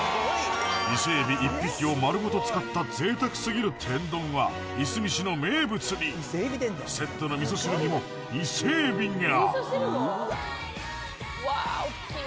伊勢エビ一匹を丸ごと使った贅沢過ぎる天丼はいすみ市の名物にセットのみそ汁にも伊勢エビがうわ大きい！